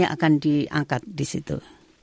akan diangkat di situ